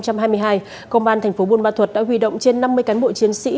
công an thành phố buôn ma thuật đã huy động trên năm mươi cán bộ chiến sĩ